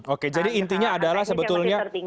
oke jadi intinya adalah sebetulnya